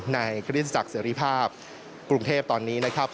คริสตักเสรีภาพกรุงเทพตอนนี้นะครับ